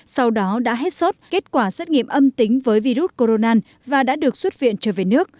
sau đó đã hết sốt kết quả xét nghiệm âm tính với virus corona và đã được xuất viện trở về nước